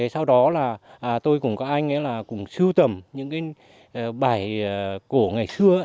sau đó là tôi cùng các anh ấy là cùng sưu tầm những bài cổ ngày xưa